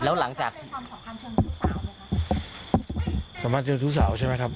แล้วหลังจากความสำหรับเชิงทุกสาวใช่ไหมครับสำหรับเชิงทุกสาวใช่ไหมครับ